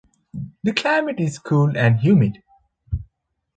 The climate is cool and humid.